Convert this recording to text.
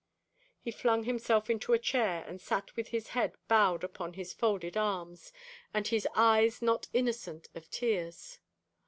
He flung himself into a chair, and sat with his head bowed upon his folded arms, and his eyes not innocent of tears.